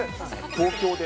東京で？